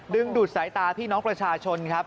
ดึงดูดสายตาพี่น้องประชาชนครับ